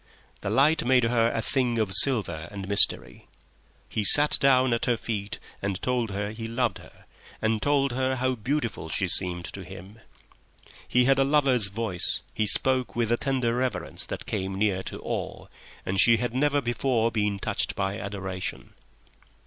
The light made her a thing of silver and mystery. He sat down at her feet and told her he loved her, and told her how beautiful she seemed to him. He had a lover's voice, he spoke with a tender reverence that came near to awe, and she had never before been touched by adoration.